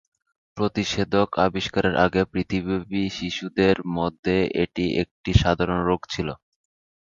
প্রতিষেধক আবিষ্কারের আগে, পৃথিবীব্যাপী শিশুদের মধ্যে এটি একটি সাধারণ রোগ ছিল।